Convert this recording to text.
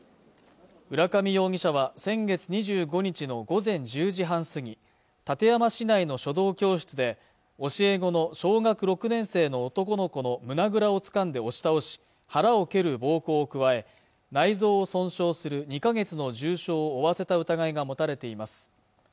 浦上容疑者は先月２５日の午前１０時半過ぎ館山市内の書道教室で教え子の小学６年生の男の子の胸ぐらをつかんで押し倒し腹を蹴る暴行を加え内臓を損傷する２か月の重傷を負わせた疑いが持たれています